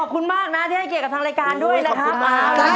ขอบคุณมากนะที่ให้เกียรติกับทางรายการด้วยนะครับ